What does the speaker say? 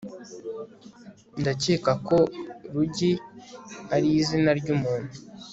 ndakeka ko rugi ariizina ry'umuntu